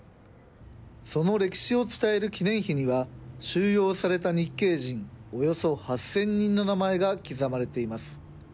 その歴史を伝える記念碑には、収容された日系人およそ８０００人の名前が刻まれています。